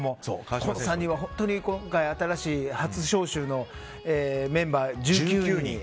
この３人は本当に今回新しい初招集のメンバー１９人。